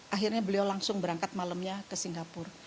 akhirnya beliau langsung berangkat malamnya ke singapura